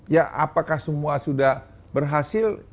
ya apakah semua sudah berhasil